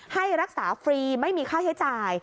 ให้รักษาฟรีไม่มีค่าใช้จ่าย